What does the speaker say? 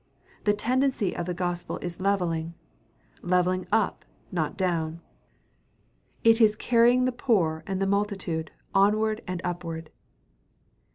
The tendency of the gospel is leveling; leveling up, not down. It is carrying the poor and the multitude onward and upward.